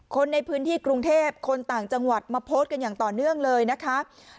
คนในพื้นที่กรุงเทพคนต่างจังหวัดมาโพสต์กันอย่างต่อเนื่องเลยนะคะ